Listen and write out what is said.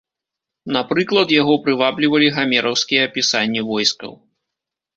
Напрыклад, яго прываблівалі гамераўскія апісанні войскаў.